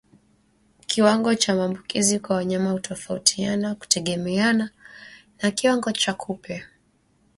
Kiwango cha maambukizi kwa wanyama hutofautiana kutegemeana na kiwango cha kupe